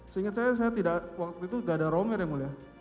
seingat saya saya tidak waktu itu tidak ada ronger ya mulia